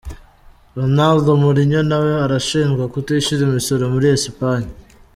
Ronaldo, Mourinho na we arashinjwa kutishyura imisoro muri Esipanye.